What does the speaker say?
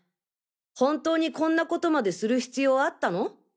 本当にこんなことまでする必要あったの？